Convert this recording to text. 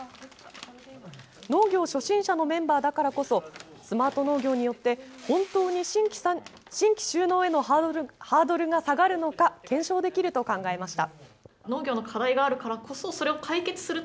農業初心者のメンバーだからこそスマート農業によって本当に新規就農へのハードルが下がるのか検証できると考えました。